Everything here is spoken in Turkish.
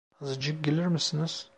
Azıcık gelir misiniz?